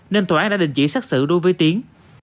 nên tòa án đã đình chỉ xác xử đối với tiến